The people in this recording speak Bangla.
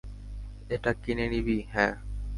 এটা কিনে নিবি, - হ্যাঁ।